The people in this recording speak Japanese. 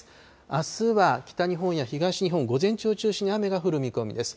あすは北日本や東日本、午前中を中心に雨が降る見込みです。